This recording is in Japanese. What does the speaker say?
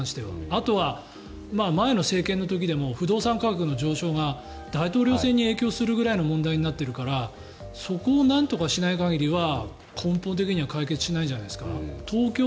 あとは前の政権の時でも不動産価格の上昇が大統領選に影響するぐらいの問題になっているからそこをなんとかしない限りは根本的な解決しないんじゃないですか。